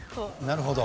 なるほど。